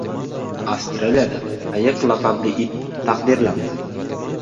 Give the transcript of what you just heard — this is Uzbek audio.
Avstraliyada Ayiq laqabli it taqdirlandi